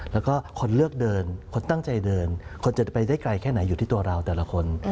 แล้วก็คนเลือกเดินคนตั้งใจเดินคนจะไปได้ไกลแค่ไหนอยู่ที่ตัวเราแต่ละคน